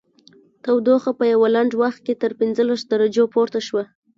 تودوخه په یوه لنډ وخت کې تر پنځلس درجو پورته شوه